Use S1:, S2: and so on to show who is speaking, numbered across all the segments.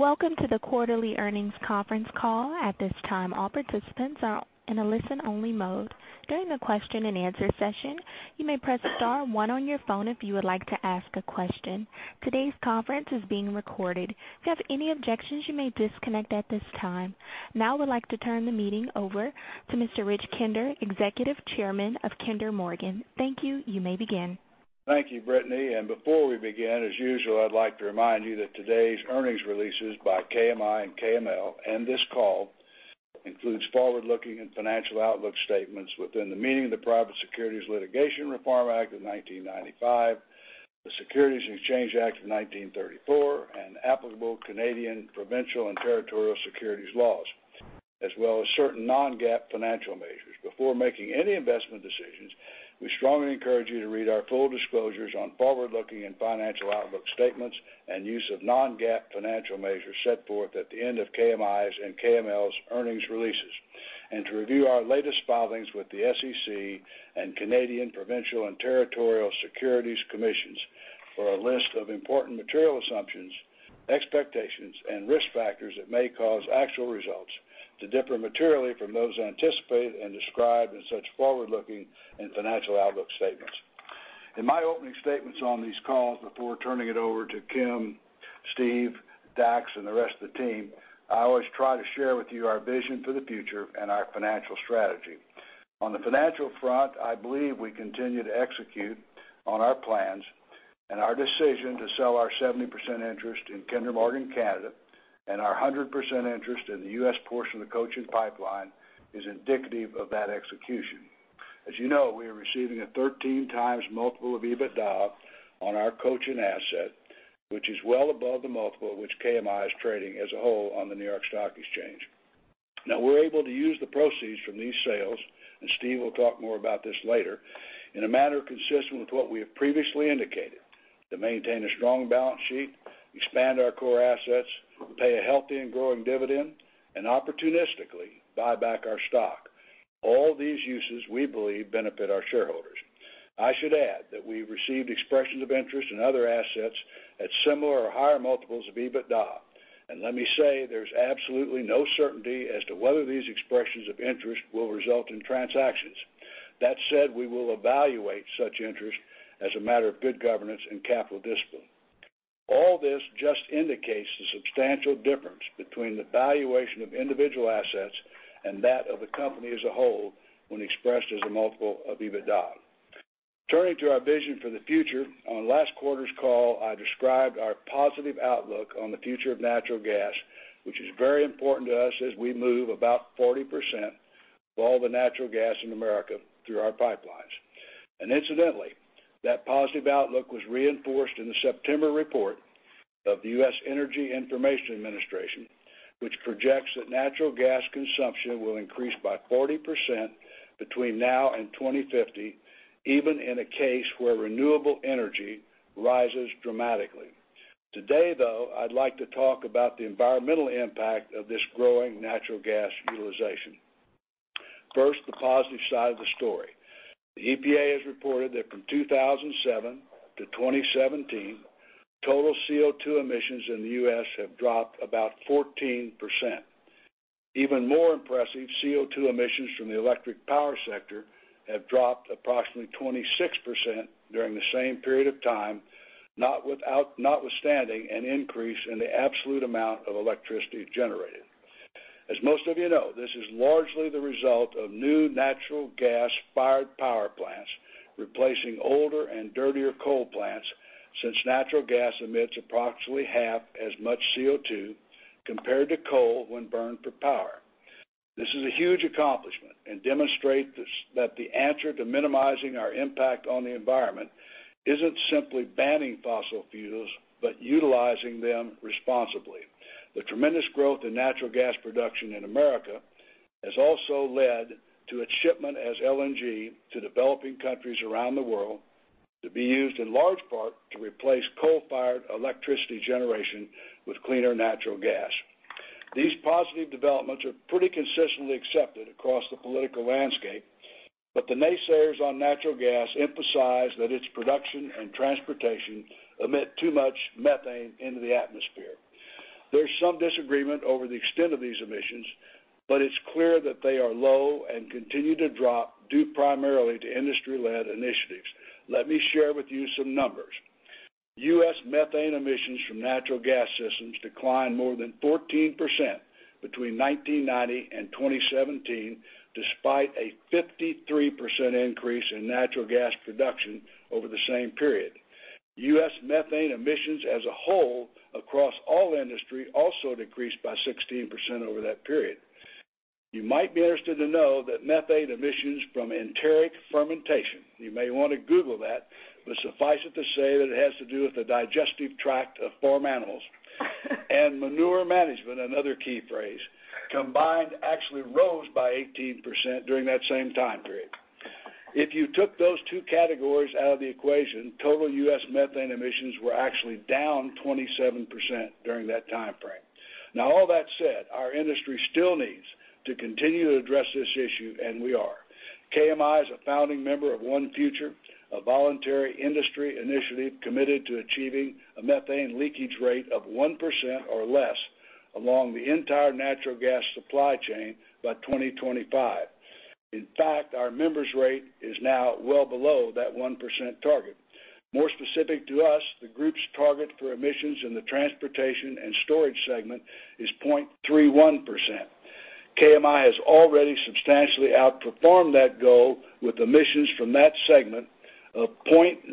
S1: Welcome to the quarterly earnings conference call. At this time, all participants are in a listen-only mode. During the question and answer session, you may press star one on your phone if you would like to ask a question. Today's conference is being recorded. If you have any objections, you may disconnect at this time. Now I would like to turn the meeting over to Mr. Rich Kinder, Executive Chairman of Kinder Morgan. Thank you. You may begin.
S2: Thank you, Brittany. Before we begin, as usual, I'd like to remind you that today's earnings releases by KMI and KML, and this call, includes forward-looking and financial outlook statements within the meaning of the Private Securities Litigation Reform Act of 1995, the Securities Exchange Act of 1934, and applicable Canadian provincial and territorial securities laws, as well as certain non-GAAP financial measures. Before making any investment decisions, we strongly encourage you to read our full disclosures on forward-looking and financial outlook statements, and use of non-GAAP financial measures set forth at the end of KMI's and KML's earnings releases. To review our latest filings with the SEC and Canadian provincial and territorial securities commissions for a list of important material assumptions, expectations, and risk factors that may cause actual results to differ materially from those anticipated and described in such forward-looking and financial outlook statements. In my opening statements on these calls, before turning it over to Kim, Steve, Dax, and the rest of the team, I always try to share with you our vision for the future and our financial strategy. On the financial front, I believe we continue to execute on our plans, and our decision to sell our 70% interest in Kinder Morgan Canada, and our 100% interest in the U.S. portion of the Cochin Pipeline, is indicative of that execution. As you know, we are receiving a 13 times multiple of EBITDA on our Cochin asset, which is well above the multiple at which KMI is trading as a whole on the New York Stock Exchange. We are able to use the proceeds from these sales, and Steve will talk more about this later, in a manner consistent with what we have previously indicated. To maintain a strong balance sheet, expand our core assets, pay a healthy and growing dividend, and opportunistically buy back our stock. All these uses, we believe, benefit our shareholders. I should add that we received expressions of interest in other assets at similar or higher multiples of EBITDA. Let me say, there's absolutely no certainty as to whether these expressions of interest will result in transactions. That said, we will evaluate such interest as a matter of good governance and capital discipline. All this just indicates the substantial difference between the valuation of individual assets and that of the company as a whole when expressed as a multiple of EBITDA. Turning to our vision for the future, on last quarter's call, I described our positive outlook on the future of natural gas, which is very important to us as we move about 40% of all the natural gas in America through our pipelines. Incidentally, that positive outlook was reinforced in the September report of the U.S. Energy Information Administration, which projects that natural gas consumption will increase by 40% between now and 2050, even in a case where renewable energy rises dramatically. Today, though, I'd like to talk about the environmental impact of this growing natural gas utilization. First, the positive side of the story. The EPA has reported that from 2007 to 2017, total CO2 emissions in the U.S. have dropped about 14%. Even more impressive, CO2 emissions from the electric power sector have dropped approximately 26% during the same period of time, notwithstanding an increase in the absolute amount of electricity generated. As most of you know, this is largely the result of new natural gas-fired power plants replacing older and dirtier coal plants, since natural gas emits approximately half as much CO2 compared to coal when burned for power. This is a huge accomplishment and demonstrates that the answer to minimizing our impact on the environment isn't simply banning fossil fuels, but utilizing them responsibly. The tremendous growth in natural gas production in America has also led to its shipment as LNG to developing countries around the world to be used in large part to replace coal-fired electricity generation with cleaner natural gas. These positive developments are pretty consistently accepted across the political landscape, but the naysayers on natural gas emphasize that its production and transportation emit too much methane into the atmosphere. There's some disagreement over the extent of these emissions, but it's clear that they are low and continue to drop, due primarily to industry-led initiatives. Let me share with you some numbers. U.S. methane emissions from natural gas systems declined more than 14% between 1990 and 2017, despite a 53% increase in natural gas production over the same period. U.S. methane emissions as a whole across all industry also decreased by 16% over that period. You might be interested to know that methane emissions from enteric fermentation, you may want to Google that, but suffice it to say that it has to do with the digestive tract of farm animals, and manure management, another key phrase, combined actually rose by 18% during that same time period. If you took those two categories out of the equation, total U.S. methane emissions were actually down 27% during that time frame. Now, all that said, our industry still needs to continue to address this issue, and we are. KMI is a founding member of ONE Future, a voluntary industry initiative committed to achieving a methane leakage rate of 1% or less along the entire natural gas supply chain by 2025. In fact, our members' rate is now well below that 1% target. More specific to us, the group's target for emissions in the transportation and storage segment is 0.31%. KMI has already substantially outperformed that goal with emissions from that segment of 0.04%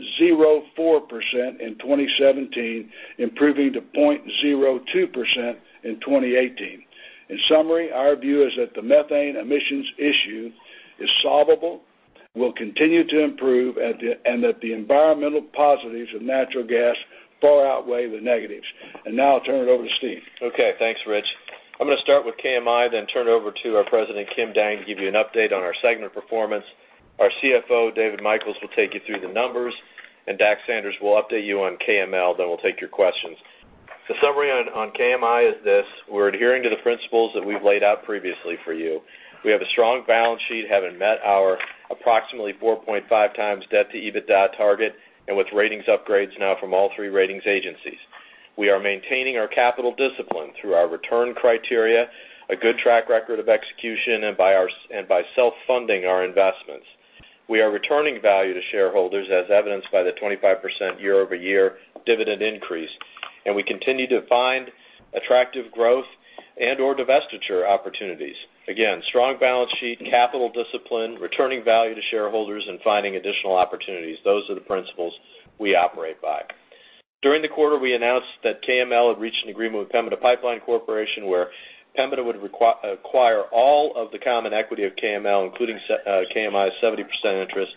S2: in 2017, improving to 0.02% in 2018. In summary, our view is that the methane emissions issue is solvable, will continue to improve, and that the environmental positives of natural gas far outweigh the negatives. Now I'll turn it over to Steve.
S3: Okay. Thanks, Rich. I'm going to start with KMI, then turn it over to our President, Kim Dang, to give you an update on our segment performance. Our CFO, David Michels, will take you through the numbers, and Dax Sanders will update you on KML. We'll take your questions. The summary on KMI is this: we're adhering to the principles that we've laid out previously for you. We have a strong balance sheet, having met our approximately 4.5 times debt to EBITDA target, and with ratings upgrades now from all three ratings agencies. We are maintaining our capital discipline through our return criteria, a good track record of execution, and by self-funding our investments. We are returning value to shareholders, as evidenced by the 25% year-over-year dividend increase. We continue to find attractive growth and/or divestiture opportunities. Again, strong balance sheet, capital discipline, returning value to shareholders, and finding additional opportunities. Those are the principles we operate by. During the quarter, we announced that KML had reached an agreement with Pembina Pipeline Corporation, where Pembina would acquire all of the common equity of KML, including KMI's 70% interest,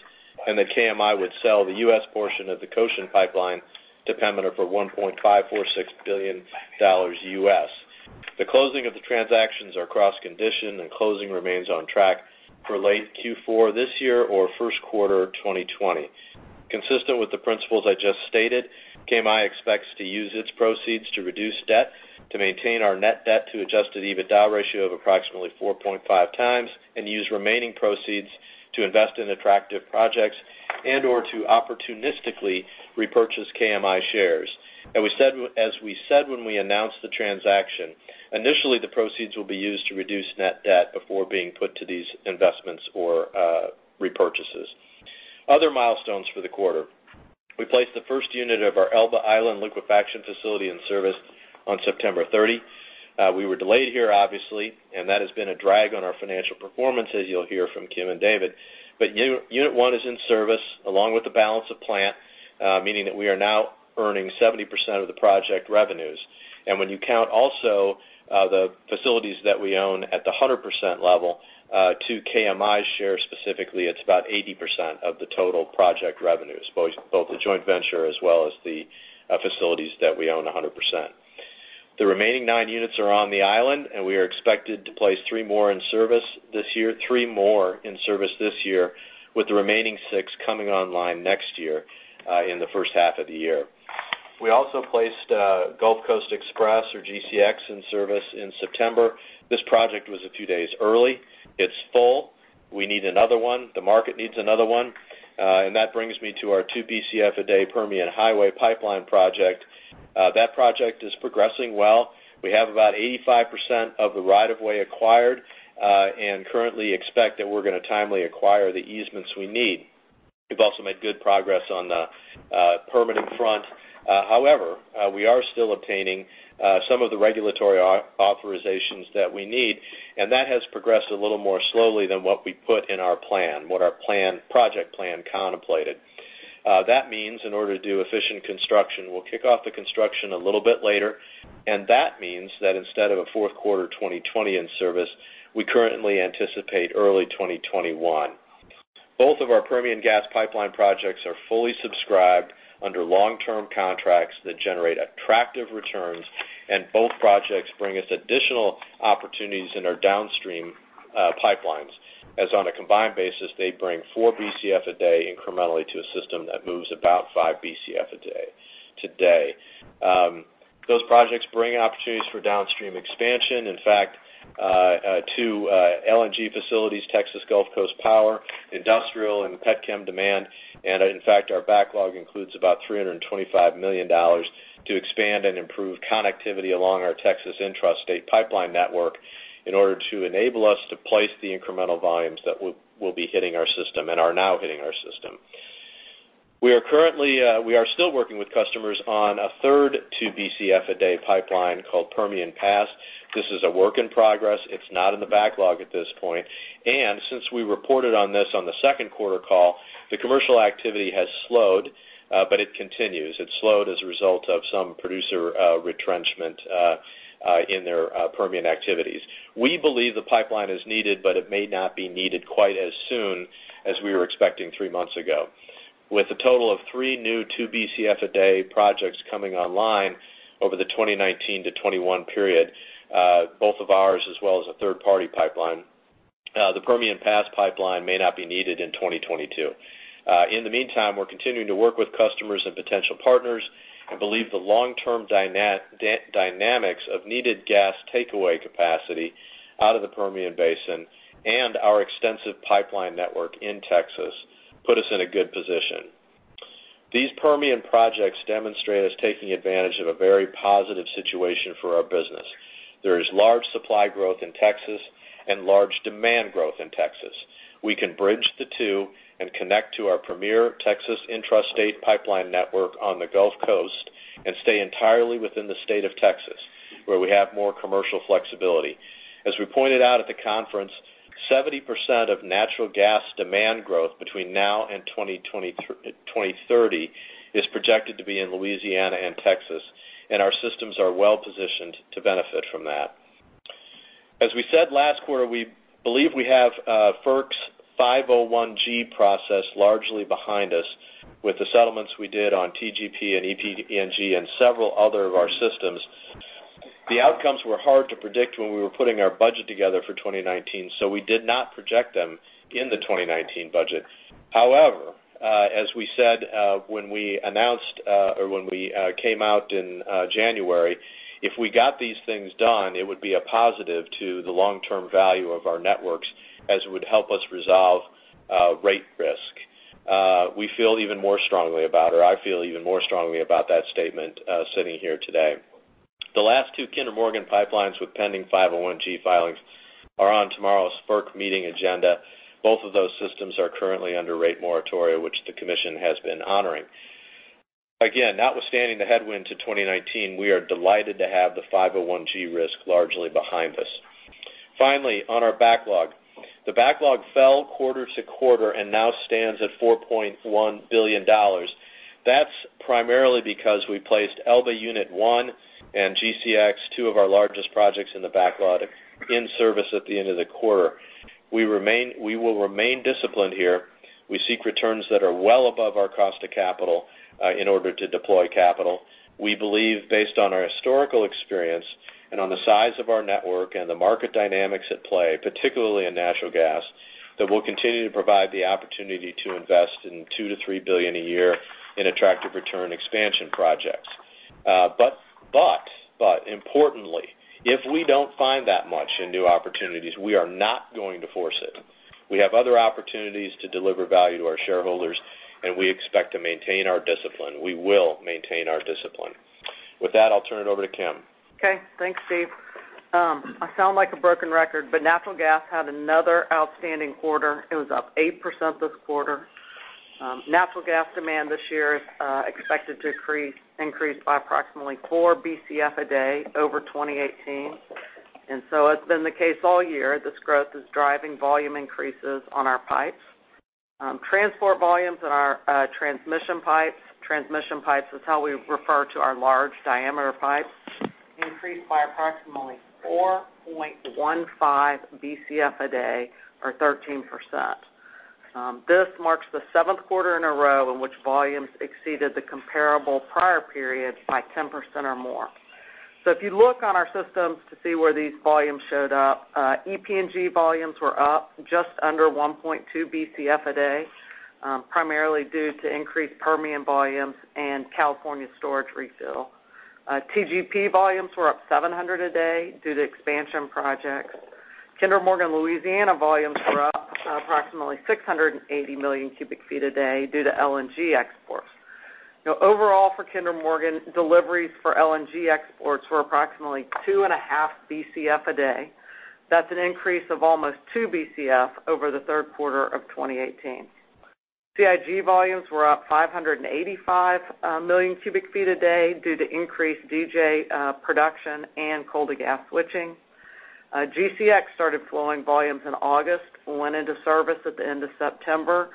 S3: and that KMI would sell the U.S. portion of the Cochin Pipeline to Pembina for $1.546 billion. The closing of the transactions are cross-conditioned, and closing remains on track for late Q4 this year or first quarter 2020. Consistent with the principles I just stated, KMI expects to use its proceeds to reduce debt, to maintain our net debt to adjusted EBITDA ratio of approximately 4.5 times, and use remaining proceeds to invest in attractive projects and/or to opportunistically repurchase KMI shares. As we said when we announced the transaction, initially, the proceeds will be used to reduce net debt before being put to these investments or repurchases. Other milestones for the quarter. We placed the first unit of our Elba Island liquefaction facility in service on September 30. We were delayed here, obviously, and that has been a drag on our financial performance, as you'll hear from Kim and David. Unit 1 is in service along with the balance of plant, meaning that we are now earning 70% of the project revenues. When you count also the facilities that we own at the 100% level to KMI share, specifically, it's about 80% of the total project revenues, both the joint venture as well as the facilities that we own 100%. The remaining nine units are on the island, and we are expected to place three more in service this year, with the remaining six coming online next year in the first half of the year. We also placed Gulf Coast Express or GCX in service in September. This project was a few days early. It's full. We need another one. The market needs another one. That brings me to our two BCF a day Permian Highway Pipeline project. That project is progressing well. We have about 85% of the right of way acquired and currently expect that we're going to timely acquire the easements we need. We've also made good progress on the permitting front. However, we are still obtaining some of the regulatory authorizations that we need, and that has progressed a little more slowly than what we put in our plan, what our project plan contemplated. That means in order to do efficient construction, we'll kick off the construction a little bit later, and that means that instead of a fourth quarter 2020 in service, we currently anticipate early 2021. Both of our Permian gas pipeline projects are fully subscribed under long-term contracts that generate attractive returns, both projects bring us additional opportunities in our downstream pipelines, as on a combined basis, they bring four BCF a day incrementally to a system that moves about five BCF a day today. Those projects bring opportunities for downstream expansion. In fact, two LNG facilities, Texas Gulf Coast Power, industrial and petchem demand. In fact, our backlog includes about $325 million to expand and improve connectivity along our Texas intrastate pipeline network in order to enable us to place the incremental volumes that will be hitting our system and are now hitting our system. We are still working with customers on a third two BCF a day pipeline called Permian Pass. This is a work in progress. It's not in the backlog at this point. Since we reported on this on the second quarter call, the commercial activity has slowed, but it continues. It slowed as a result of some producer retrenchment in their Permian activities. We believe the pipeline is needed, but it may not be needed quite as soon as we were expecting three months ago. With a total of three new two BCF a day projects coming online over the 2019 to 2021 period, both of ours as well as a third-party pipeline, the Permian Pass Pipeline may not be needed in 2022. In the meantime, we're continuing to work with customers and potential partners and believe the long-term dynamics of needed gas takeaway capacity out of the Permian Basin and our extensive pipeline network in Texas put us in a good position. These Permian projects demonstrate us taking advantage of a very positive situation for our business. There is large supply growth in Texas and large demand growth in Texas. We can bridge the two and connect to our premier Texas intrastate pipeline network on the Gulf Coast and stay entirely within the state of Texas, where we have more commercial flexibility. As we pointed out at the conference, 70% of natural gas demand growth between now and 2030 is projected to be in Louisiana and Texas, and our systems are well-positioned to benefit from that. As we said last quarter, we believe we have FERC Form 501-G largely behind us with the settlements we did on TGP and EPNG and several other of our systems. The outcomes were hard to predict when we were putting our budget together for 2019, so we did not project them in the 2019 budget. However, as we said when we came out in January, if we got these things done, it would be a positive to the long-term value of our networks as it would help us resolve rate risk. We feel even more strongly about, or I feel even more strongly about that statement sitting here today. The last two Kinder Morgan pipelines with pending 501-G filings are on tomorrow's FERC meeting agenda. Both of those systems are currently under rate moratoria, which the commission has been honoring. Again, notwithstanding the headwind to 2019, we are delighted to have the 501-G risk largely behind us. On our backlog. The backlog fell quarter-over-quarter and now stands at $4.1 billion. That's primarily because we placed Elba Unit 1 and GCX, two of our largest projects in the backlog, in service at the end of the quarter. We will remain disciplined here. We seek returns that are well above our cost of capital in order to deploy capital. We believe, based on our historical experience and on the size of our network and the market dynamics at play, particularly in natural gas, that we'll continue to provide the opportunity to invest in $2 billion-$3 billion a year in attractive return expansion projects. Importantly, if we don't find that much in new opportunities, we are not going to force it. We have other opportunities to deliver value to our shareholders, and we expect to maintain our discipline. We will maintain our discipline. With that, I'll turn it over to Kim.
S4: Okay. Thanks, Steve. I sound like a broken record, natural gas had another outstanding quarter. It was up 8% this quarter. Natural gas demand this year is expected to increase by approximately 4 BCF a day over 2018. As been the case all year, this growth is driving volume increases on our pipes. Transport volumes in our transmission pipes, transmission pipes is how we refer to our large diameter pipes, increased by approximately 4.15 BCF a day or 13%. This marks the seventh quarter in a row in which volumes exceeded the comparable prior periods by 10% or more. If you look on our systems to see where these volumes showed up, El Paso Natural Gas volumes were up just under 1.2 BCF a day, primarily due to increased Permian volumes and California storage refill. Tennessee Gas Pipeline volumes were up 700 a day due to expansion projects. Kinder Morgan Louisiana volumes were up approximately 680 million cubic feet a day due to LNG exports. Overall for Kinder Morgan, deliveries for LNG exports were approximately 2.5 Bcf a day. That's an increase of almost 2 Bcf over the third quarter of 2018. CIG volumes were up 585 million cubic feet a day due to increased DJ production and coal-to-gas switching. GCX started flowing volumes in August and went into service at the end of September,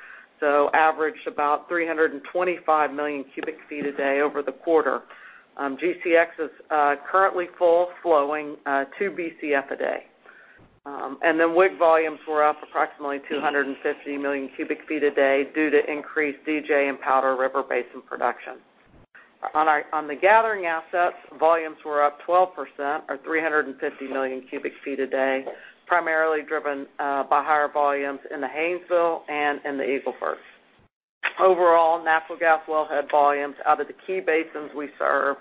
S4: averaged about 325 million cubic feet a day over the quarter. GCX is currently full flowing 2 Bcf a day. WIC volumes were up approximately 250 million cubic feet a day due to increased DJ and Powder River Basin production. On the gathering assets, volumes were up 12% or 350 million cubic feet a day, primarily driven by higher volumes in the Haynesville and in the Eagle Ford. Overall, natural gas wellhead volumes out of the key basins we serve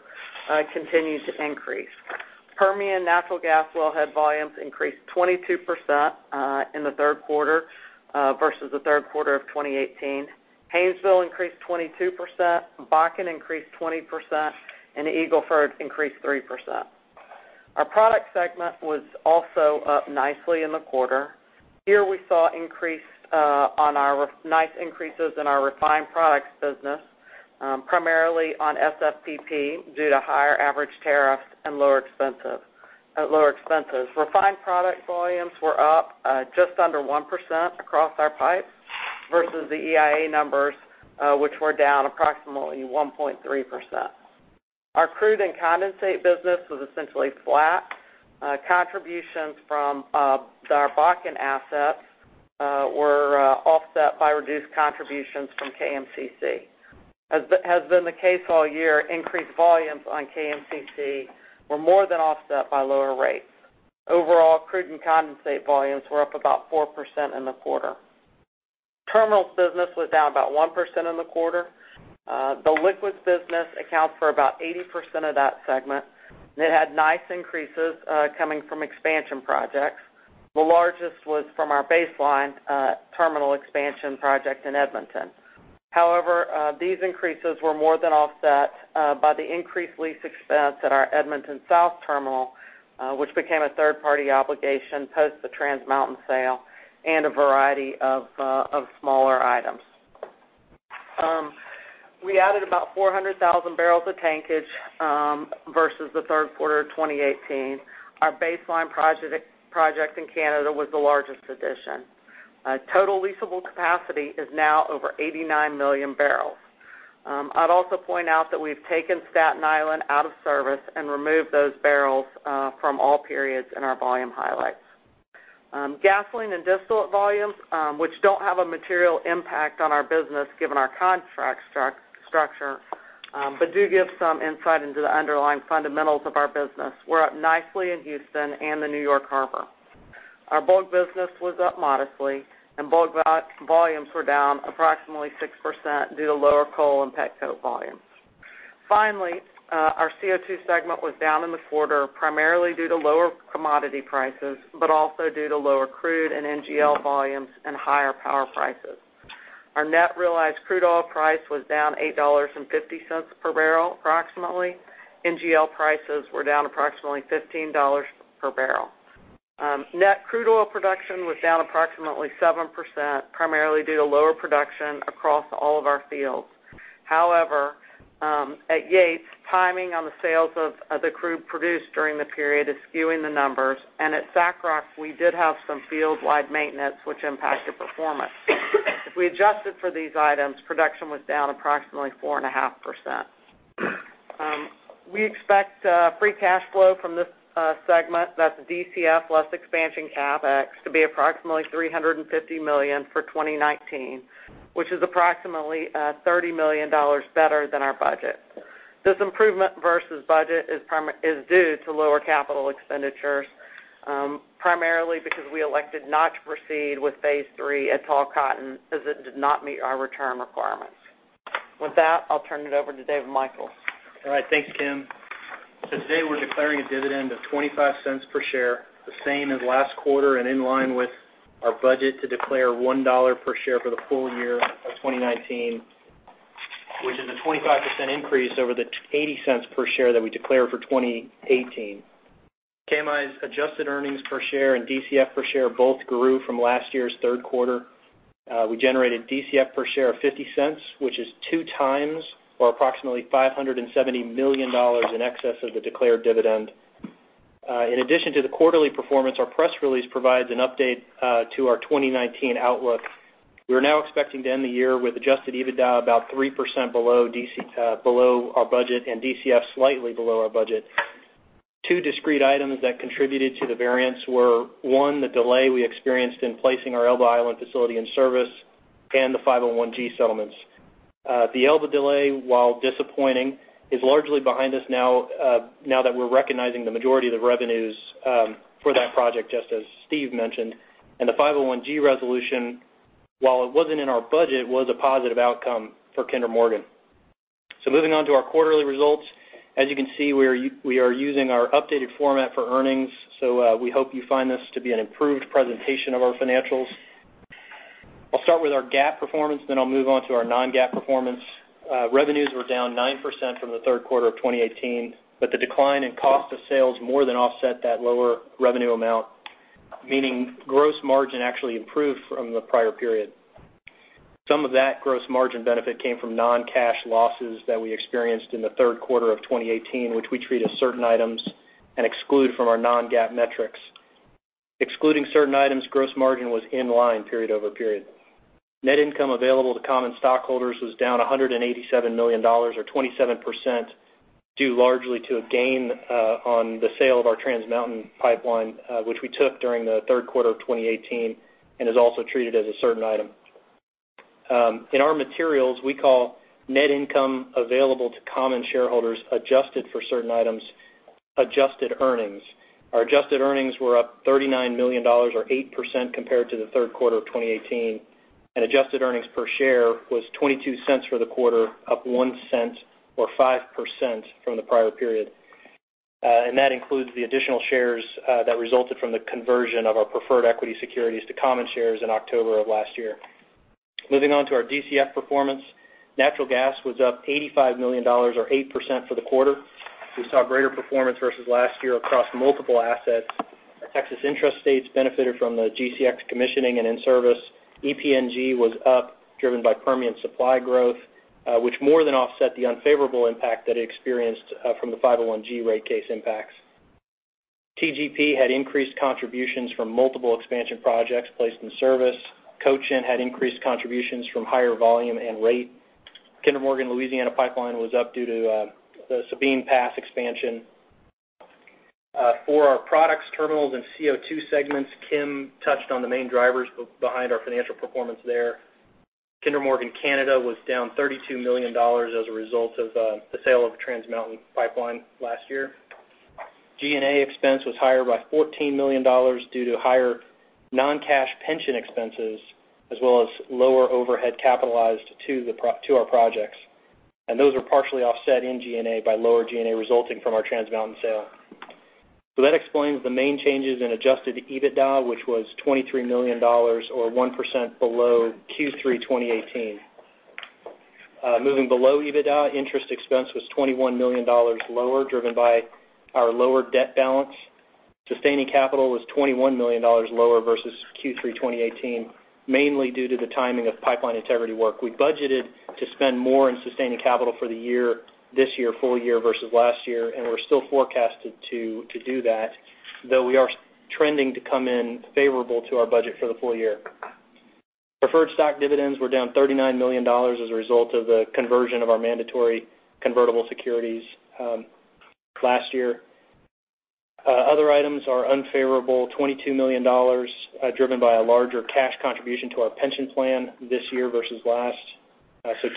S4: continue to increase. Permian natural gas wellhead volumes increased 22% in the third quarter versus the third quarter of 2018. Haynesville increased 22%, Bakken increased 20%, and Eagle Ford increased 3%. Our product segment was also up nicely in the quarter. Here, we saw nice increases in our refined products business, primarily on SFPP due to higher average tariffs and lower expenses. Refined product volumes were up just under 1% across our pipes versus the EIA numbers, which were down approximately 1.3%. Our crude and condensate business was essentially flat. Contributions from our Bakken assets were offset by reduced contributions from KMCC. As has been the case all year, increased volumes on KMCC were more than offset by lower rates. Overall crude and condensate volumes were up about 4% in the quarter. Terminals business was down about 1% in the quarter. The liquids business accounts for about 80% of that segment. They had nice increases coming from expansion projects. The largest was from our Base Line Terminal expansion project in Edmonton. However, these increases were more than offset by the increased lease expense at our Edmonton South Terminal, which became a third-party obligation post the Trans Mountain sale, and a variety of smaller items. We added about 400,000 barrels of tankage versus the third quarter of 2018. Our Base Line project in Canada was the largest addition. Total leasable capacity is now over 89 million barrels. I'd also point out that we've taken Staten Island out of service and removed those barrels from all periods in our volume highlights. Gasoline and distillate volumes, which don't have a material impact on our business given our contract structure, but do give some insight into the underlying fundamentals of our business, were up nicely in Houston and the New York Harbor. Our bulk business was up modestly, and bulk volumes were down approximately 6% due to lower coal and petcoke volumes. Finally, our CO2 segment was down in the quarter, primarily due to lower commodity prices, but also due to lower crude and NGL volumes and higher power prices. Our net realized crude oil price was down $8.50 per barrel approximately. NGL prices were down approximately $15 per barrel. Net crude oil production was down approximately 7%, primarily due to lower production across all of our fields. However, at Katz, timing on the sales of the crude produced during the period is skewing the numbers, and at SACROC, we did have some field-wide maintenance which impacted performance. If we adjusted for these items, production was down approximately 4.5%. We expect free cash flow from this segment, that's DCF less expansion CapEx, to be approximately $350 million for 2019, which is approximately $30 million better than our budget. This improvement versus budget is due to lower capital expenditures, primarily because we elected not to proceed with phase 3 at Tall Cotton as it did not meet our return requirements. With that, I'll turn it over to David Michels.
S5: All right. Thanks, Kim. Today, we're declaring a dividend of $0.25 per share, the same as last quarter and in line with our budget to declare $1 per share for the full year of 2019, which is a 25% increase over the $0.80 per share that we declared for 2018. KMI's adjusted earnings per share and DCF per share both grew from last year's third quarter. We generated DCF per share of $0.50, which is two times or approximately $570 million in excess of the declared dividend. In addition to the quarterly performance, our press release provides an update to our 2019 outlook. We are now expecting to end the year with adjusted EBITDA about 3% below our budget and DCF slightly below our budget. Two discrete items that contributed to the variance were, one, the delay we experienced in placing our Elba Island facility in service, and the 501 G settlements. The Elba delay, while disappointing, is largely behind us now that we're recognizing the majority of the revenues for that project, just as Steve mentioned, and the 501 G resolution, while it wasn't in our budget, was a positive outcome for Kinder Morgan. Moving on to our quarterly results. As you can see, we are using our updated format for earnings. We hope you find this to be an improved presentation of our financials. I'll start with our GAAP performance, then I'll move on to our non-GAAP performance. Revenues were down 9% from the third quarter of 2018, the decline in cost of sales more than offset that lower revenue amount, meaning gross margin actually improved from the prior period. Some of that gross margin benefit came from non-cash losses that we experienced in the third quarter of 2018, which we treat as certain items and exclude from our non-GAAP metrics. Excluding certain items, gross margin was in line period-over-period. Net income available to common stockholders was down $187 million or 27%, due largely to a gain on the sale of our Trans Mountain Pipeline, which we took during the third quarter of 2018 and is also treated as a certain item. In our materials, we call net income available to common shareholders adjusted for certain items, adjusted earnings. Our adjusted earnings were up $39 million or 8% compared to the third quarter of 2018, and adjusted earnings per share was $0.22 for the quarter, up $0.01 or 5% from the prior period. That includes the additional shares that resulted from the conversion of our preferred equity securities to common shares in October of last year. Moving on to our DCF performance. Natural gas was up $85 million or 8% for the quarter. We saw greater performance versus last year across multiple assets. Our Texas Intrastate benefited from the GCX commissioning and in service. EPNG was up, driven by Permian supply growth, which more than offset the unfavorable impact that it experienced from the 501-G rate case impacts. TGP had increased contributions from multiple expansion projects placed in service. Cochin had increased contributions from higher volume and rate. Kinder Morgan Louisiana Pipeline was up due to the Sabine Pass expansion. For our products, terminals, and CO2 segments, Kim touched on the main drivers behind our financial performance there. Kinder Morgan Canada was down $32 million as a result of the sale of Trans Mountain Pipeline last year. G&A expense was higher by $14 million due to higher non-cash pension expenses, as well as lower overhead capitalized to our projects. Those were partially offset in G&A by lower G&A resulting from our Trans Mountain sale. That explains the main changes in adjusted EBITDA, which was $23 million or 1% below Q3 2018. Moving below EBITDA, interest expense was $21 million lower, driven by our lower debt balance. Sustaining capital was $21 million lower versus Q3 2018, mainly due to the timing of pipeline integrity work. We budgeted to spend more in sustaining capital for the year, this year, full year versus last year, we are still forecasted to do that, though we are trending to come in favorable to our budget for the full year. Preferred stock dividends were down $39 million as a result of the conversion of our mandatory convertible securities last year. Other items are unfavorable, $22 million, driven by a larger cash contribution to our pension plan this year versus last.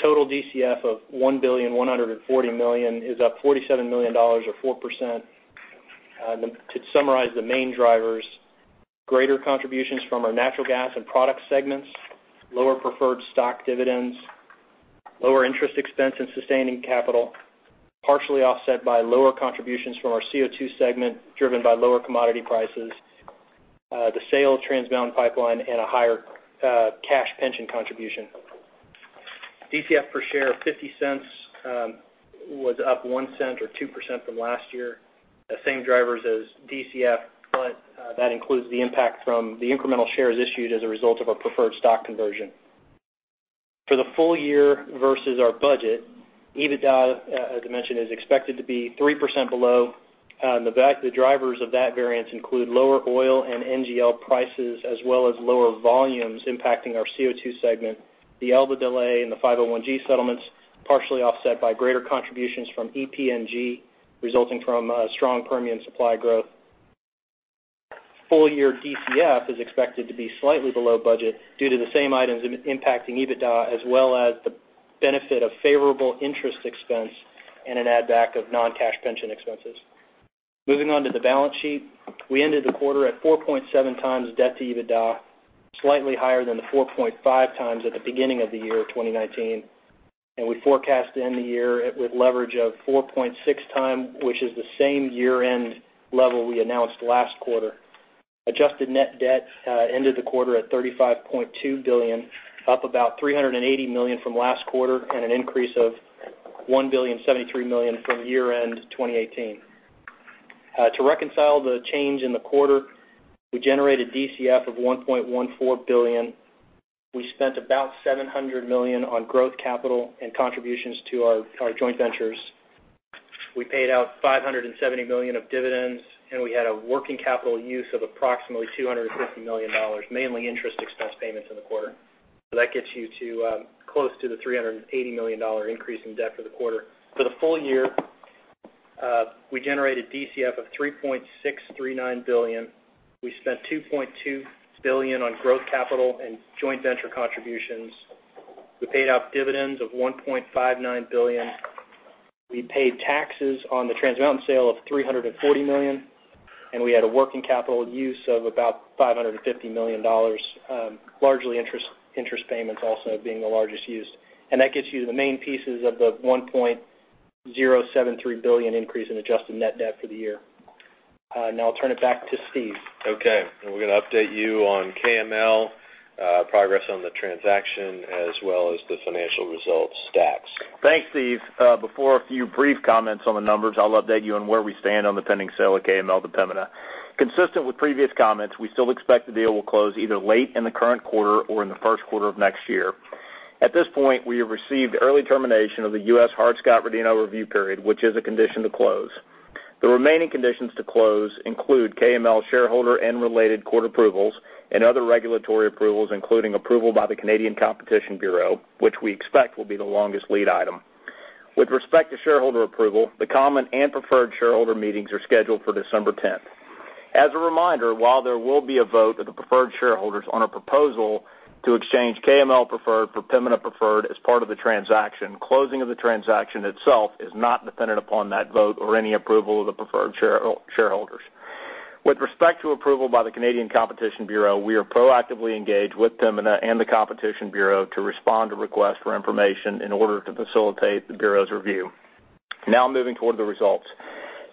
S5: Total DCF of $1.14 billion is up $47 million or 4%. To summarize the main drivers, greater contributions from our natural gas and product segments, lower preferred stock dividends, lower interest expense and sustaining capital, partially offset by lower contributions from our CO2 segment, driven by lower commodity prices, the sale of Trans Mountain Pipeline, and a higher cash pension contribution. DCF per share of $0.50 was up $0.01 or 2% from last year. The same drivers as DCF, but that includes the impact from the incremental shares issued as a result of our preferred stock conversion. For the full year versus our budget, EBITDA, as I mentioned, is expected to be 3% below. The drivers of that variance include lower oil and NGL prices, as well as lower volumes impacting our CO2 segment, the Elba delay, and the 501-G settlements, partially offset by greater contributions from EPNG, resulting from strong Permian supply growth. Full year DCF is expected to be slightly below budget due to the same items impacting EBITDA, as well as the benefit of favorable interest expense and an add back of non-cash pension expenses. Moving on to the balance sheet. We ended the quarter at 4.7 times debt to EBITDA, slightly higher than the 4.5 times at the beginning of the year, 2019. We forecast to end the year with leverage of 4.6 times, which is the same year-end level we announced last quarter. Adjusted net debt ended the quarter at $35.2 billion, up about $380 million from last quarter, and an increase of $1,073,000,000 from year-end 2018. To reconcile the change in the quarter, we generated DCF of $1.14 billion. We spent about $700 million on growth capital and contributions to our joint ventures. We paid out $570 million of dividends, and we had a working capital use of approximately $250 million, mainly interest expense payments in the quarter. That gets you to close to the $380 million increase in debt for the quarter. For the full year, we generated DCF of $3.639 billion. We spent $2.2 billion on growth capital and joint venture contributions. We paid out dividends of $1.59 billion. We paid taxes on the Trans Mountain sale of $340 million. We had a working capital use of about $550 million, largely interest payments also being the largest use. That gets you to the main pieces of the $1.073 billion increase in adjusted net debt for the year. Now I'll turn it back to Steve.
S3: Okay. We're going to update you on KML progress on the transaction as well as the financial results stats.
S6: Thanks, Steve. Before a few brief comments on the numbers, I'll update you on where we stand on the pending sale at KML to Pembina. Consistent with previous comments, we still expect the deal will close either late in the current quarter or in the first quarter of next year. At this point, we have received early termination of the U.S. Hart-Scott-Rodino review period, which is a condition to close. The remaining conditions to close include KML shareholder and related court approvals and other regulatory approvals, including approval by the Canadian Competition Bureau, which we expect will be the longest lead item. With respect to shareholder approval, the common and preferred shareholder meetings are scheduled for December 10th. As a reminder, while there will be a vote of the preferred shareholders on a proposal to exchange KML preferred for Pembina preferred as part of the transaction, closing of the transaction itself is not dependent upon that vote or any approval of the preferred shareholders. With respect to approval by the Canadian Competition Bureau, we are proactively engaged with Pembina and the Competition Bureau to respond to requests for information in order to facilitate the Bureau's review. Moving toward the results.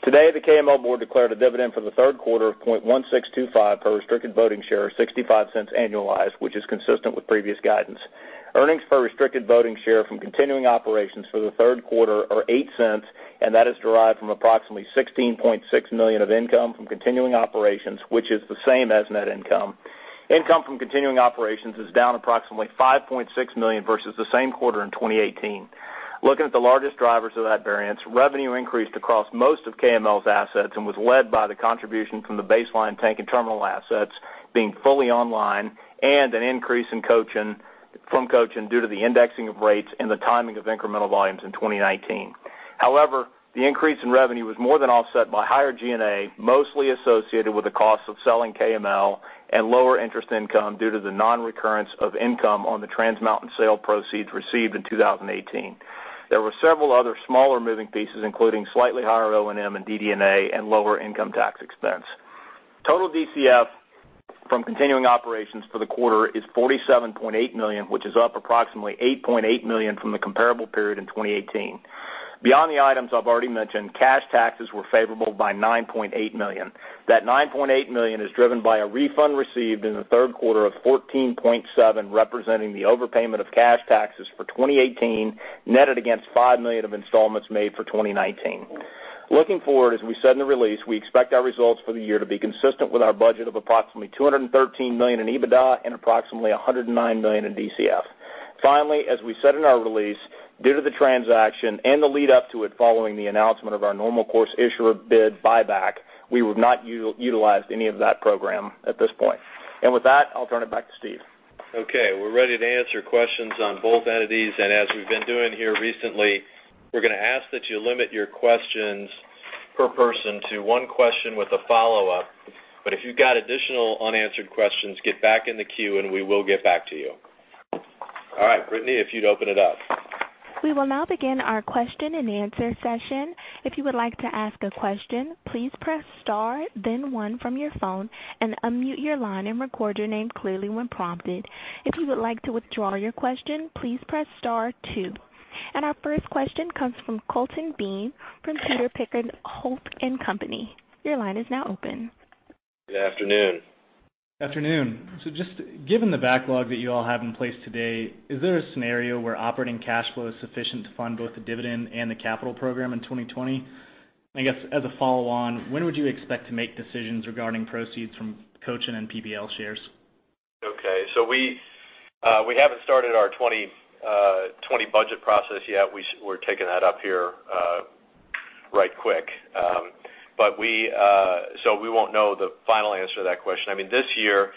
S6: Today, the KML board declared a dividend for the third quarter of $0.1625 per restricted voting share, $0.65 annualized, which is consistent with previous guidance. Earnings per restricted voting share from continuing operations for the third quarter are $0.08, that is derived from approximately $16.6 million of income from continuing operations, which is the same as net income. Income from continuing operations is down approximately $5.6 million versus the same quarter in 2018. Looking at the largest drivers of that variance, revenue increased across most of KML's assets and was led by the contribution from the baseline tank and terminal assets being fully online and an increase from Cochin due to the indexing of rates and the timing of incremental volumes in 2019. However, the increase in revenue was more than offset by higher G&A, mostly associated with the cost of selling KML and lower interest income due to the non-recurrence of income on the Trans Mountain sale proceeds received in 2018. There were several other smaller moving pieces, including slightly higher O&M and DD&A and lower income tax expense. Total DCF from continuing operations for the quarter is $47.8 million, which is up approximately $8.8 million from the comparable period in 2018. Beyond the items I've already mentioned, cash taxes were favorable by $9.8 million. That $9.8 million is driven by a refund received in the third quarter of $14.7 million, representing the overpayment of cash taxes for 2018, netted against $5 million of installments made for 2019. Looking forward, as we said in the release, we expect our results for the year to be consistent with our budget of approximately $213 million in EBITDA and approximately $109 million in DCF. Finally, as we said in our release, due to the transaction and the lead up to it following the announcement of our normal course issuer bid buyback, we have not utilized any of that program at this point. With that, I'll turn it back to Steve.
S3: Okay. We're ready to answer questions on both entities. As we've been doing here recently, we're going to ask that you limit your questions per person to one question with a follow-up. If you've got additional unanswered questions, get back in the queue and we will get back to you. All right, Brittany, if you'd open it up.
S1: We will now begin our question-and-answer session. If you would like to ask a question, please press star then one from your phone and unmute your line and record your name clearly when prompted. If you would like to withdraw your question, please press star two. Our first question comes from Colton Bean from Tudor, Pickering, Holt & Co.. Your line is now open.
S3: Good afternoon.
S7: Afternoon. Just given the backlog that you all have in place today, is there a scenario where operating cash flow is sufficient to fund both the dividend and the capital program in 2020? I guess as a follow on, when would you expect to make decisions regarding proceeds from Cochin and PBL shares?
S3: Okay, we haven't started our 2020 budget process yet. We're taking that up here right quick. We won't know the final answer to that question. This year,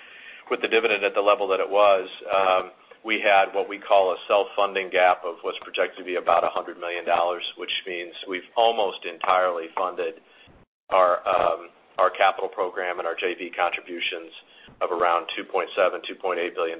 S3: with the dividend at the level that it was, we had what we call a self-funding gap of what's projected to be about $100 million, which means we've almost entirely funded our capital program and our JV contributions of around $2.7 billion-$2.8 billion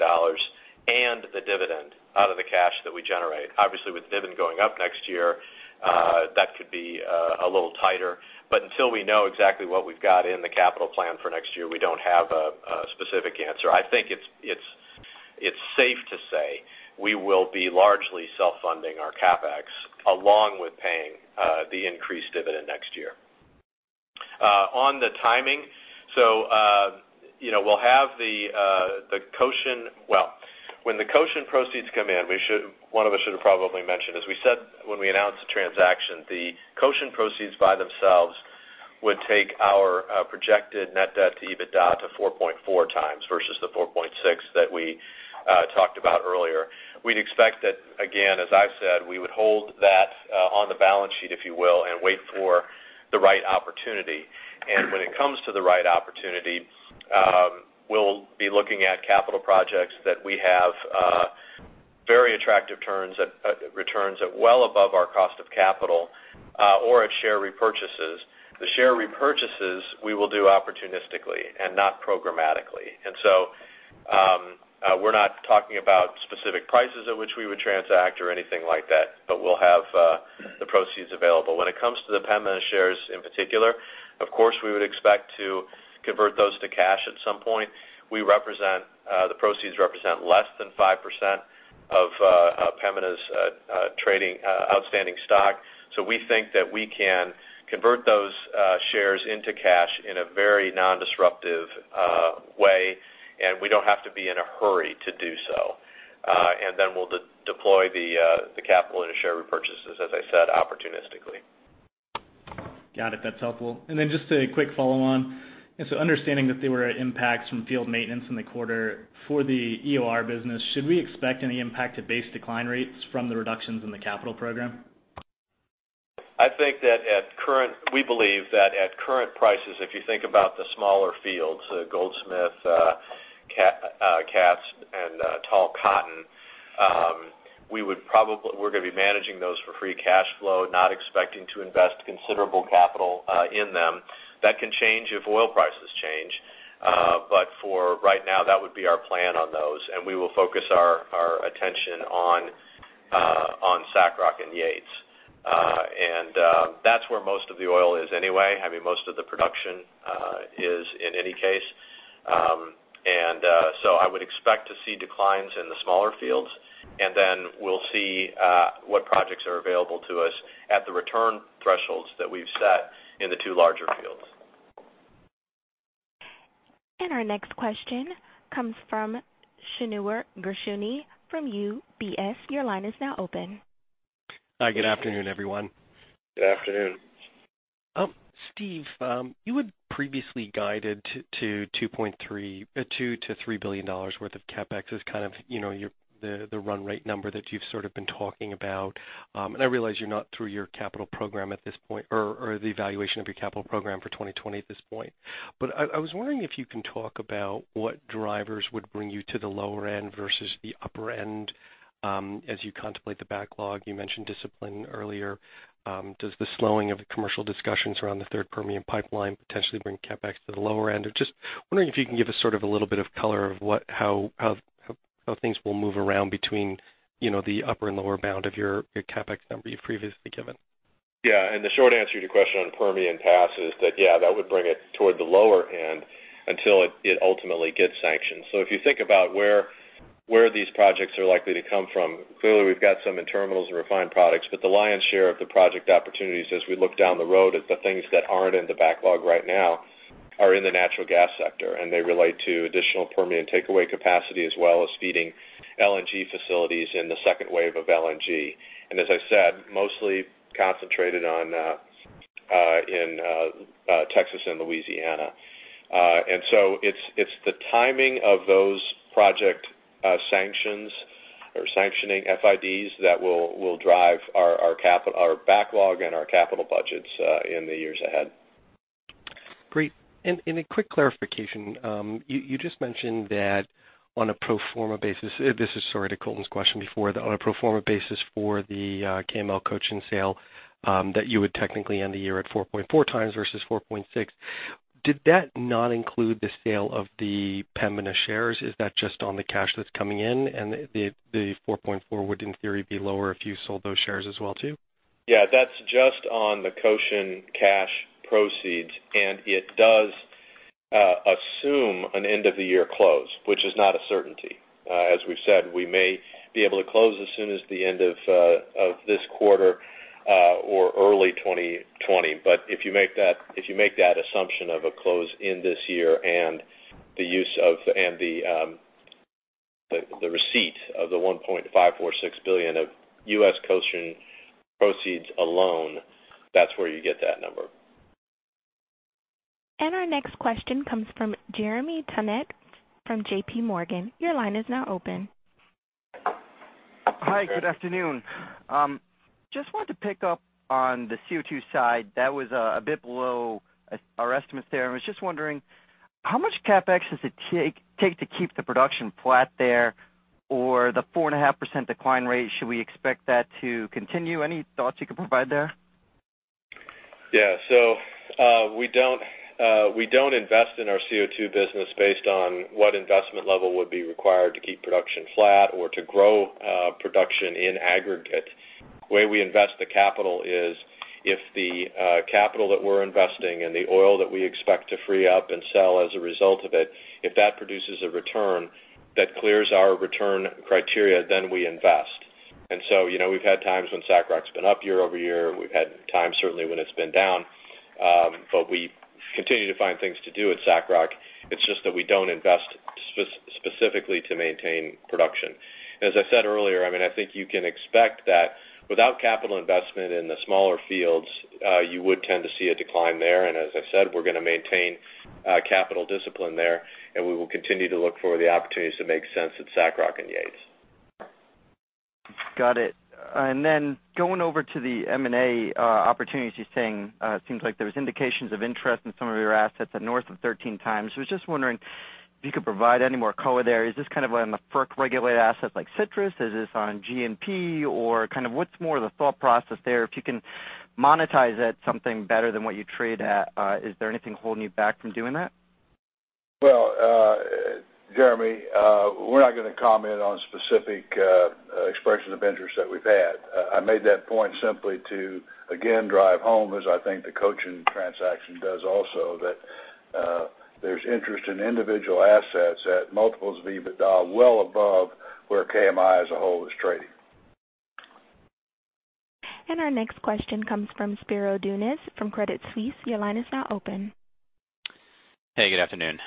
S3: and the dividend out of the cash that we generate. Obviously, with dividend going up next year, that could be a little tighter. Until we know exactly what we've got in the capital plan for next year, we don't have a specific answer. I think it's safe to say we will be largely self-funding our CapEx along with paying the increased dividend next year. On the timing, we'll have the Cochin, when the Cochin proceeds come in, one of us should have probably mentioned, as we said when we announced the transaction, the Cochin proceeds by themselves would take our projected net debt to EBITDA to 4.4 times versus the 4.6 that we talked about earlier. We'd expect that, again, as I've said, we would hold that on the balance sheet, if you will, and wait for the right opportunity. When it comes to the right opportunity, we'll be looking at capital projects that we have very attractive returns at well above our cost of capital or at share repurchases. The share repurchases we will do opportunistically and not programmatically. We're not talking about specific prices at which we would transact or anything like that, but we'll have the proceeds available. When it comes to the Pembina shares in particular, of course, we would expect to convert those to cash at some point. The proceeds represent less than 5% of Pembina's outstanding stock. We think that we can convert those shares into cash in a very non-disruptive way, and we don't have to be in a hurry to do so. We'll deploy the capital into share repurchases, as I said, opportunistically.
S7: Got it. That's helpful. Just a quick follow on. Understanding that there were impacts from field maintenance in the quarter, for the EOR business, should we expect any impact to base decline rates from the reductions in the capital program?
S3: We believe that at current prices, if you think about the smaller fields, Goldsmith, Katz, and Tall Cotton, we're going to be managing those for free cash flow, not expecting to invest considerable capital in them. That can change if oil prices change. For right now, that would be our plan on those, and we will focus our attention on SACROC and Yates. That's where most of the oil is anyway, having most of the production is in any case. I would expect to see declines in the smaller fields, and then we'll see what projects are available to us at the return thresholds that we've set in the two larger fields.
S1: Our next question comes from Shneur Gershuni from UBS. Your line is now open.
S8: Hi, good afternoon, everyone.
S3: Good afternoon.
S8: Steve, you had previously guided to $2 billion to $3 billion worth of CapEx as kind of the run rate number that you've sort of been talking about. I realize you're not through your capital program at this point or the evaluation of your capital program for 2020 at this point. I was wondering if you can talk about what drivers would bring you to the lower end versus the upper end. As you contemplate the backlog, you mentioned discipline earlier. Does the slowing of the commercial discussions around the third Permian pipeline potentially bring CapEx to the lower end? Just wondering if you can give us a little bit of color of how things will move around between the upper and lower bound of your CapEx number you've previously given.
S3: The short answer to your question on Permian Pass is that that would bring it toward the lower end until it ultimately gets sanctioned. If you think about where these projects are likely to come from, clearly we've got some in terminals and refined products, but the lion's share of the project opportunities as we look down the road is the things that aren't in the backlog right now are in the natural gas sector, and they relate to additional Permian takeaway capacity as well as feeding LNG facilities in the second wave of LNG. As I said, mostly concentrated in Texas and Louisiana. It's the timing of those project sanctions or sanctioning FIDs that will drive our backlog and our capital budgets in the years ahead.
S8: Great. A quick clarification. You just mentioned that on a pro forma basis, this is sort of to Colton's question before, on a pro forma basis for the KML Cochin sale, that you would technically end the year at 4.4 times versus 4.6. Did that not include the sale of the Pembina shares? Is that just on the cash that's coming in and the 4.4 would in theory be lower if you sold those shares as well too?
S3: Yeah, that's just on the Cochin cash proceeds. It does assume an end of the year close, which is not a certainty. As we've said, we may be able to close as soon as the end of this quarter or early 2020. If you make that assumption of a close in this year and the receipt of the $1.546 billion of U.S. Cochin proceeds alone, that's where you get that number.
S1: Our next question comes from Jeremy Tonet from J.P. Morgan. Your line is now open.
S9: Hi, good afternoon. Just wanted to pick up on the CO2 side. That was a bit below our estimates there. I was just wondering how much CapEx does it take to keep the production flat there or the 4.5% decline rate, should we expect that to continue? Any thoughts you could provide there?
S3: We don't invest in our CO2 business based on what investment level would be required to keep production flat or to grow production in aggregate. The way we invest the capital is if the capital that we're investing and the oil that we expect to free up and sell as a result of it, if that produces a return that clears our return criteria, then we invest. We've had times when SACROC's been up year-over-year. We've had times certainly when it's been down. We continue to find things to do with SACROC. It's just that we don't invest specifically to maintain production. As I said earlier, I think you can expect that without capital investment in the smaller fields, you would tend to see a decline there. As I said, we're going to maintain capital discipline there, and we will continue to look for the opportunities that make sense at SACROC and Yates.
S9: Got it. Going over to the M&A opportunities you're saying, seems like there was indications of interest in some of your assets at north of 13 times. I was just wondering if you could provide any more color there. Is this kind of on the FERC-regulated assets like Citrus? Is this on GNP, or what's more the thought process there? If you can monetize it something better than what you trade at, is there anything holding you back from doing that?
S2: Well, Jeremy, we're not going to comment on specific expressions of interest that we've had. I made that point simply to, again, drive home as I think the Cochin transaction does also, that there's interest in individual assets at multiples of EBITDA well above where KMI as a whole is trading.
S1: Our next question comes from Spiro Dounis from Credit Suisse. Your line is now open.
S10: Hey, good afternoon.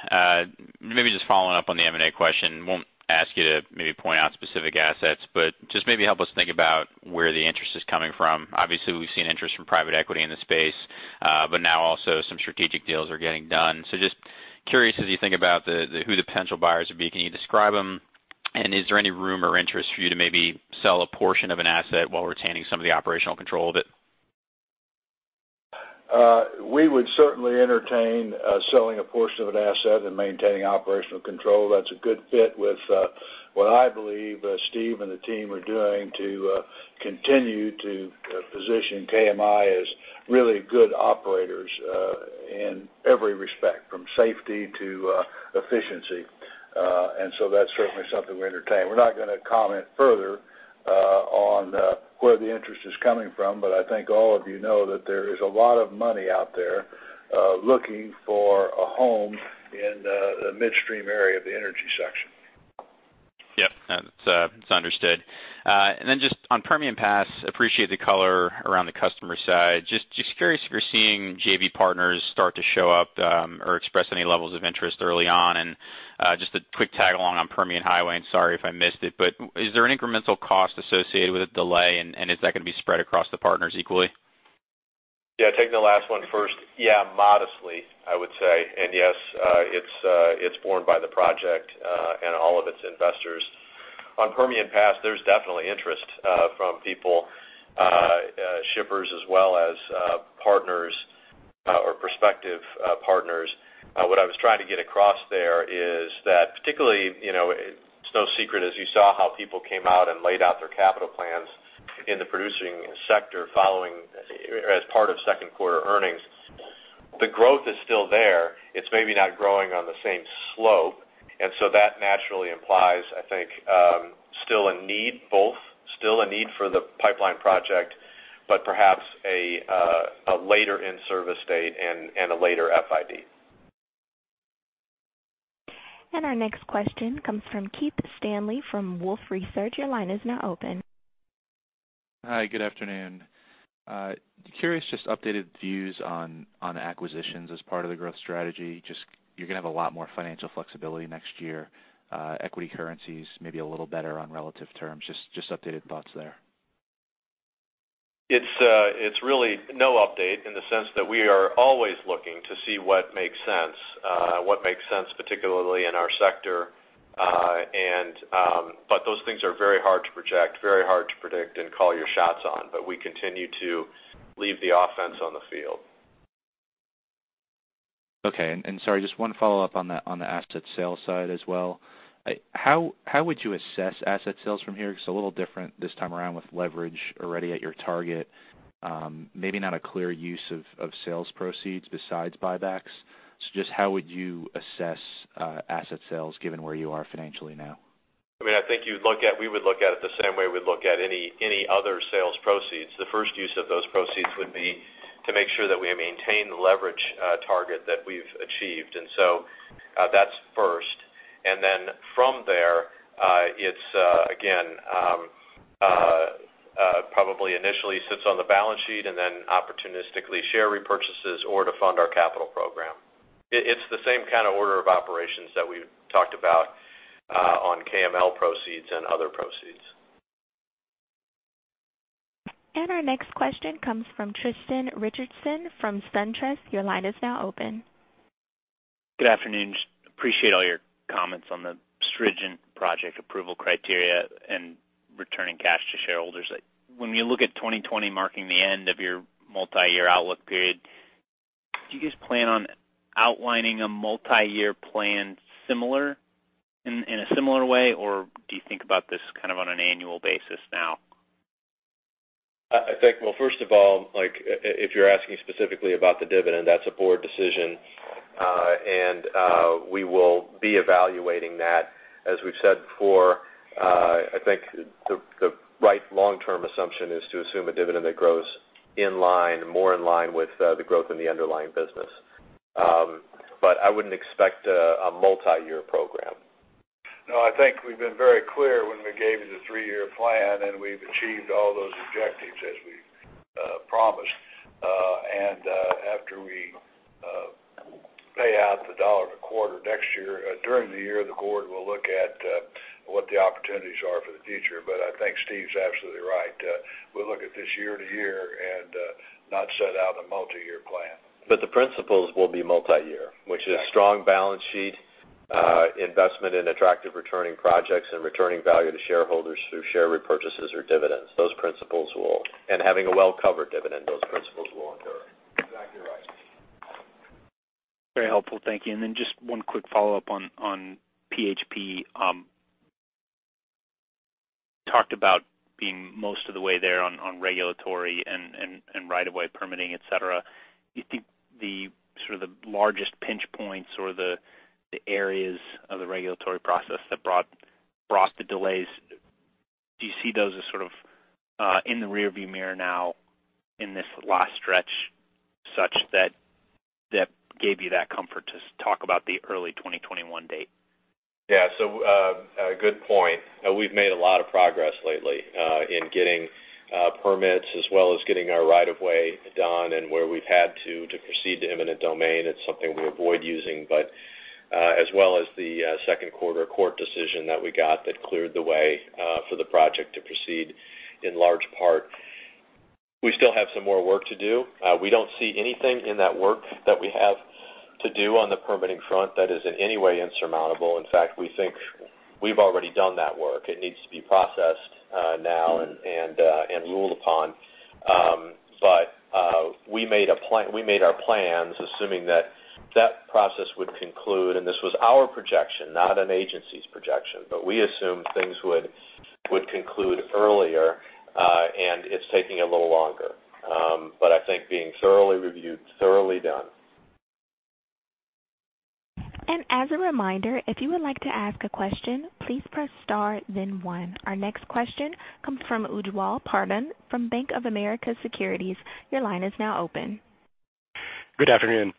S10: Maybe just following up on the M&A question. Won't ask you to maybe point out specific assets, but just maybe help us think about where the interest is coming from. Obviously, we've seen interest from private equity in the space, but now also some strategic deals are getting done. Just curious as you think about who the potential buyers would be, can you describe them? Is there any room or interest for you to maybe sell a portion of an asset while retaining some of the operational control of it?
S2: We would certainly entertain selling a portion of an asset and maintaining operational control. That's a good fit with what I believe Steve and the team are doing to continue to position KMI as really good operators in every respect, from safety to efficiency. That's certainly something we entertain. We're not going to comment further on where the interest is coming from, but I think all of you know that there is a lot of money out there looking for a home in the midstream area of the energy section.
S10: Yep. That's understood. Just on Permian Pass, appreciate the color around the customer side. Just curious if you're seeing JV partners start to show up or express any levels of interest early on, and just a quick tag along on Permian Highway, and sorry if I missed it, but is there an incremental cost associated with a delay and is that going to be spread across the partners equally?
S3: Yeah, taking the last one first. Yeah, modestly, I would say. Yes, it's borne by the project, and all of its investors. On Permian Pass, there's definitely interest from people, shippers as well as partners or prospective partners. What I was trying to get across there is that particularly, it's no secret as you saw how people came out and laid out their capital plans in the producing sector following as part of second quarter earnings. The growth is still there. It's maybe not growing on the same slope, so that naturally implies, I think, both still a need for the pipeline project, but perhaps a later in-service date and a later FID.
S1: Our next question comes from Keith Stanley from Wolfe Research. Your line is now open.
S11: Hi, good afternoon. Curious, just updated views on acquisitions as part of the growth strategy. Just you're going to have a lot more financial flexibility next year. Equity currencies may be a little better on relative terms. Just updated thoughts there.
S3: It's really no update in the sense that we are always looking to see what makes sense. What makes sense particularly in our sector, but those things are very hard to project, very hard to predict and call your shots on, but we continue to leave the offense on the field.
S11: Okay. Sorry, just one follow-up on the asset sales side as well. How would you assess asset sales from here? It's a little different this time around with leverage already at your target. Maybe not a clear use of sales proceeds besides buybacks. Just how would you assess asset sales given where you are financially now?
S3: I think we would look at it the same way we'd look at any other sales proceeds. The first use of those proceeds would be to make sure that we maintain the leverage target that we've achieved, that's first. From there, it's again, probably initially sits on the balance sheet and then opportunistically share repurchases or to fund our capital program. It's the same kind of order of operations that we've talked about on KML proceeds and other proceeds.
S1: Our next question comes from Tristan Richardson from SunTrust. Your line is now open.
S12: Good afternoon. Appreciate all your comments on the stringent project approval criteria and returning cash to shareholders. When you look at 2020 marking the end of your multi-year outlook period, do you guys plan on outlining a multi-year plan in a similar way, or do you think about this kind of on an annual basis now?
S3: I think, well, first of all, if you're asking specifically about the dividend, that's a board decision. We will be evaluating that. As we've said before, I think the right long-term assumption is to assume a dividend that grows more in line with the growth in the underlying business. I wouldn't expect a multi-year program.
S2: No, I think we've been very clear when we gave you the three-year plan, we've achieved all those objectives as we promised. After we pay out the $1 a quarter next year, during the year, the board will look at what the opportunities are for the future. I think Steve's absolutely right. We look at this year to year and not set out a multi-year plan.
S3: The principles will be multi-year.
S2: Exactly.
S3: Which is strong balance sheet, investment in attractive returning projects and returning value to shareholders through share repurchases or dividends. Having a well-covered dividend, those principles will endure.
S2: Exactly right.
S12: Very helpful. Thank you. Just one quick follow-up on PHP. Talked about being most of the way there on regulatory and right of way permitting, et cetera. You think the sort of the largest pinch points or the areas of the regulatory process that brought the delays, do you see those as sort of in the rearview mirror now in this last stretch, such that gave you that comfort to talk about the early 2021 date?
S3: Yeah. A good point. We've made a lot of progress lately in getting permits as well as getting our right of way done and where we've had to proceed to eminent domain. It's something we avoid using, but as well as the second quarter court decision that we got that cleared the way for the project to proceed in large part. We still have some more work to do. We don't see anything in that work that we have to do on the permitting front that is in any way insurmountable. In fact, we think we've already done that work. It needs to be processed now and ruled upon. We made our plans assuming that that process would conclude, and this was our projection, not an agency's projection. We assumed things would conclude earlier, and it's taking a little longer. I think being thoroughly reviewed, thoroughly done.
S1: As a reminder, if you would like to ask a question, please press star then one. Our next question comes from Ujwal Parthan from Bank of America Securities. Your line is now open.
S13: Good afternoon.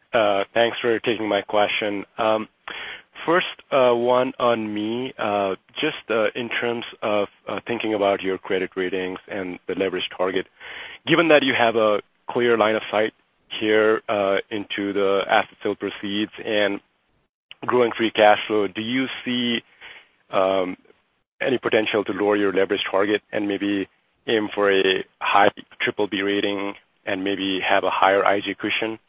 S13: Thanks for taking my question. First one on me, just in terms of thinking about your credit ratings and the leverage target. Given that you have a clear line of sight here into the asset sale proceeds and growing free cash flow, do you see any potential to lower your leverage target and maybe aim for a high triple B rating and maybe have a higher IG cushion?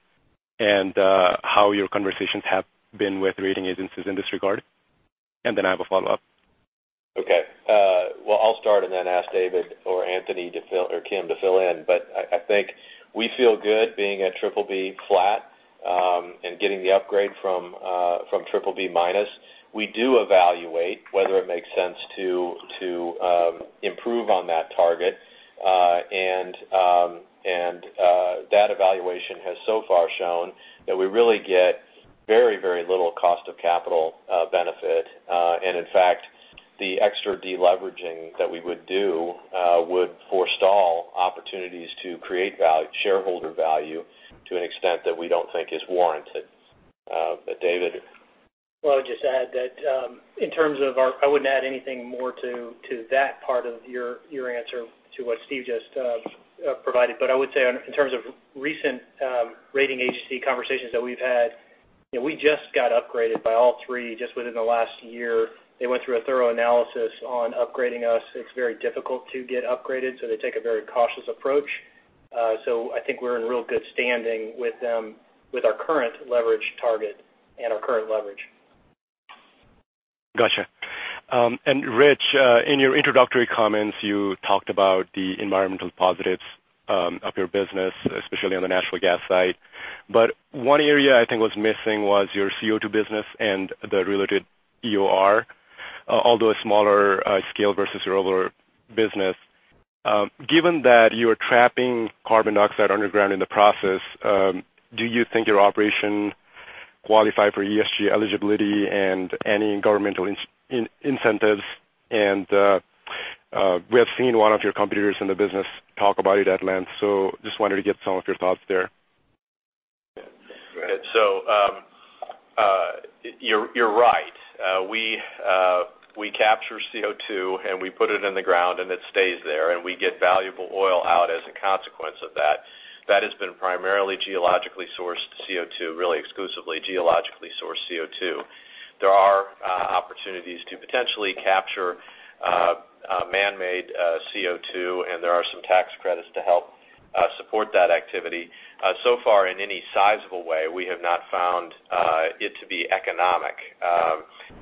S13: How your conversations have been with rating agencies in this regard? I have a follow-up.
S3: Okay. Well, I'll start and then ask David or Anthony or Kim to fill in. I think we feel good being at triple B flat, and getting the upgrade from triple B minus. We do evaluate whether it makes sense to improve on that target. That evaluation has so far shown that we really get very, very little cost of capital benefit. In fact, the extra deleveraging that we would do would forestall opportunities to create shareholder value to an extent that we don't think is warranted. David?
S5: I would just add that I wouldn't add anything more to that part of your answer to what Steve just provided. I would say in terms of recent rating agency conversations that we've had, we just got upgraded by all three just within the last year. They went through a thorough analysis on upgrading us. It's very difficult to get upgraded, they take a very cautious approach. I think we're in real good standing with them with our current leverage target and our current leverage.
S13: Got you. Rich, in your introductory comments, you talked about the environmental positives of your business, especially on the natural gas side. One area I think was missing was your CO2 business and the related EOR, although a smaller scale versus your other business. Given that you are trapping carbon dioxide underground in the process, do you think your operation qualifies for ESG eligibility and any governmental incentives? We have seen one of your competitors in the business talk about it at length, so just wanted to get some of your thoughts there.
S3: You're right. We capture CO2, and we put it in the ground, and it stays there, and we get valuable oil out as a consequence of that. That has been primarily geologically sourced CO2, really exclusively geologically sourced CO2. There are opportunities to potentially capture man-made CO2, and there are some tax credits to help support that activity. So far, in any sizable way, we have not found it to be economic,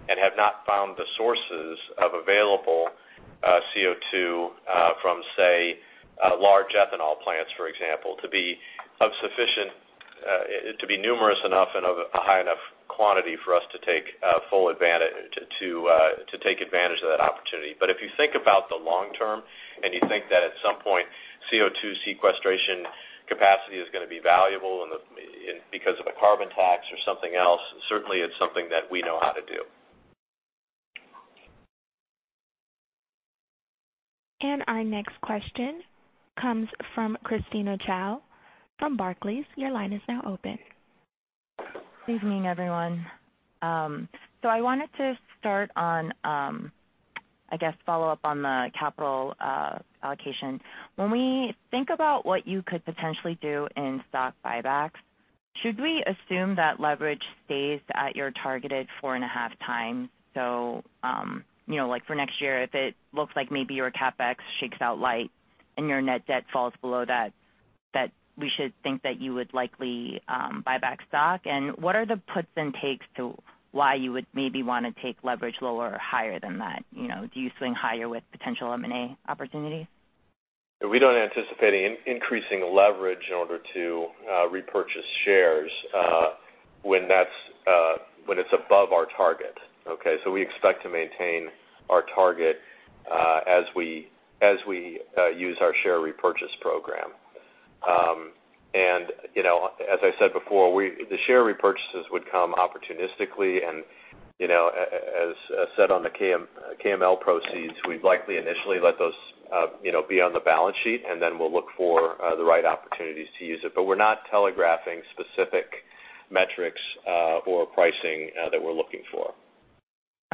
S3: and have not found the sources of available CO2 from, say, large ethanol plants, for example, to be numerous enough and of a high enough quantity for us to take advantage of that opportunity. If you think about the long term, and you think that at some point, CO2 sequestration capacity is going to be valuable because of a carbon tax or something else, certainly it's something that we know how to do.
S1: Our next question comes from Christine Shao from Barclays. Your line is now open.
S14: Good evening, everyone. I wanted to start on, I guess, follow up on the capital allocation. When we think about what you could potentially do in stock buybacks, should we assume that leverage stays at your targeted four and a half times? For next year, if it looks like maybe your CapEx shakes out light and your net debt falls below that, we should think that you would likely buy back stock? And what are the puts and takes to why you would maybe want to take leverage lower or higher than that? Do you swing higher with potential M&A opportunities?
S3: We don't anticipate increasing leverage in order to repurchase shares when it's above our target. Okay? We expect to maintain our target as we use our share repurchase program. As I said before, the share repurchases would come opportunistically and as said on the KML proceeds, we'd likely initially let those be on the balance sheet, and then we'll look for the right opportunities to use it. We're not telegraphing specific metrics or pricing that we're looking for.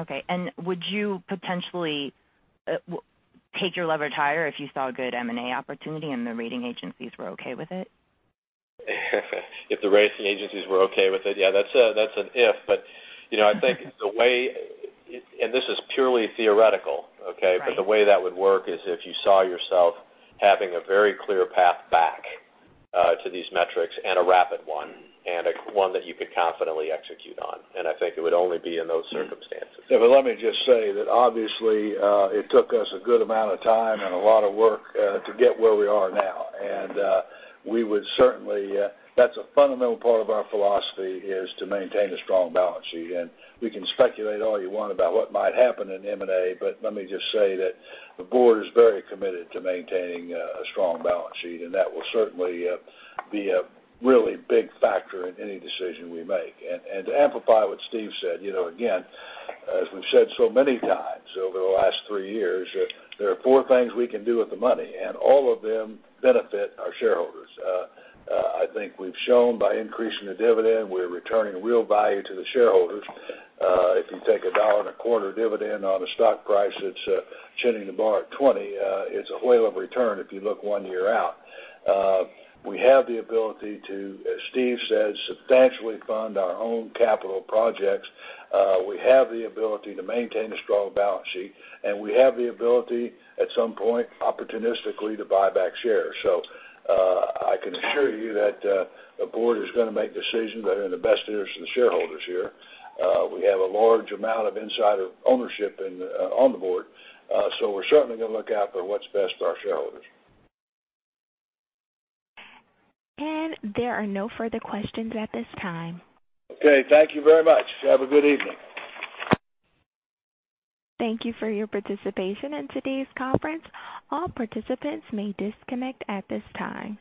S14: Okay. Would you potentially take your leverage higher if you saw a good M&A opportunity and the rating agencies were okay with it?
S3: If the rating agencies were okay with it. Yeah, that's an if, but I think and this is purely theoretical, okay?
S14: Right.
S3: The way that would work is if you saw yourself having a very clear path back to these metrics and a rapid one, and one that you could confidently execute on. I think it would only be in those circumstances.
S2: Yeah. Let me just say that obviously, it took us a good amount of time and a lot of work to get where we are now, and that's a fundamental part of our philosophy, is to maintain a strong balance sheet. We can speculate all you want about what might happen in M&A, but let me just say that the board is very committed to maintaining a strong balance sheet, and that will certainly be a really big factor in any decision we make. To amplify what Steve said, again, as we've said so many times over the last three years, there are four things we can do with the money, and all of them benefit our shareholders. I think we've shown by increasing the dividend, we're returning real value to the shareholders. If you take a dollar and a quarter dividend on a stock price that's churning the bar at $20, it's a whale of a return if you look one year out. We have the ability to, as Steve said, substantially fund our own capital projects. We have the ability to maintain a strong balance sheet, and we have the ability, at some point, opportunistically, to buy back shares. I can assure you that the board is going to make decisions that are in the best interest of the shareholders here. We have a large amount of insider ownership on the board. We're certainly going to look out for what's best for our shareholders.
S1: There are no further questions at this time.
S2: Okay. Thank you very much. Have a good evening.
S1: Thank you for your participation in today's conference. All participants may disconnect at this time.